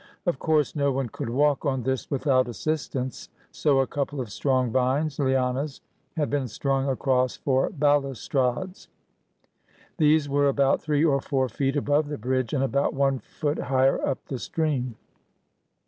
Of course no one could walk on this with out assistance, so a couple of strong vines (lianas) had been strung across for balustrades. These were about three or four feet above the bridge, and about one foot higher up the stream.